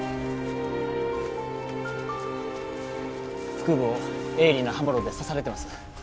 腹部を鋭利な刃物で刺されてます。